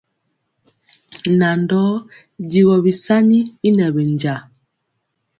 Nan dɔɔ digɔ bisani y nɛ bɛnja.